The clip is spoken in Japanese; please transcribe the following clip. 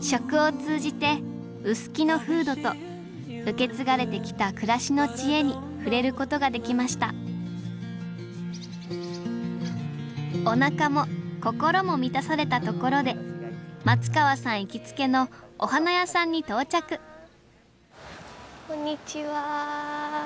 食を通じて臼杵の風土と受け継がれてきた暮らしの知恵に触れることができましたおなかも心も満たされたところで松川さん行きつけのお花屋さんに到着こんにちは。